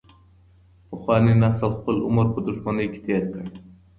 پخواني نسل خپل عمر په دښمنۍ کي تیر کړ.